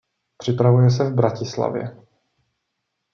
Připravuje se v Bratislavě.